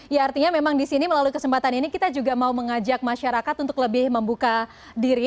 ya artinya memang di sini melalui kesempatan ini kita juga mau mengajak masyarakat untuk lebih membuka diri